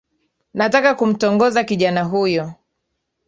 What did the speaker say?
Nataka kumtongoza kijana huyo